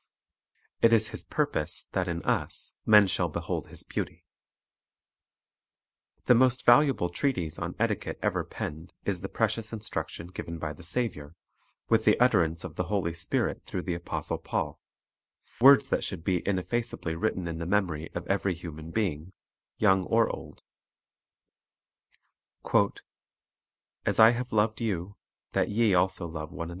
It is His purpose that in us men shall behold His beauty. The most valuable treatise on etiquette ever penned is the precious instruction given by the Saviour, with the utterance of the Holy Spirit through the apostle Paul, — words that should be ineffaceably written in the memory of every human being, young or old: — "As I have loved you, that ye also love one another."